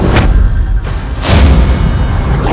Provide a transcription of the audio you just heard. kit organised nointe ini tidak sedang kapal